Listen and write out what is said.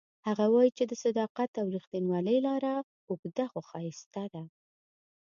هغه وایي چې د صداقت او ریښتینولۍ لاره اوږده خو ښایسته ده